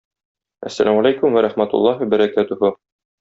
Әссәламегаләйкүм вә рахмәтуллаһи вә бәрәкәтүһү!